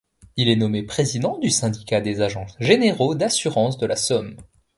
Il est nommé président du syndicat des agents généraux d'assurances de la Somme.